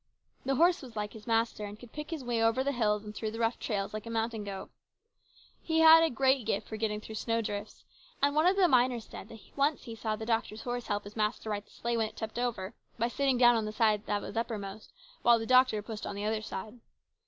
The horse was like his master, and could pick his way over the hills and through the rough trails like a mountain goat. He had a great gift for getting through snowdrifts, and one of the miners said that he once saw the doctor's horse help his master right the sleigh when it tipped over, by sitting down on the shaft that was uppermost, while the doctor pushed on the other side.